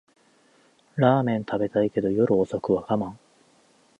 ラーメン食べたいけど夜遅くは我慢